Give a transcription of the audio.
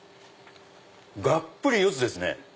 がっぷり四つですね。